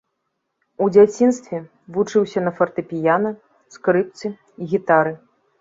У дзяцінстве вучыўся на фартэпіяна, скрыпцы, гітары.